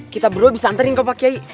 kita berdua bisa anterin ke pak kiai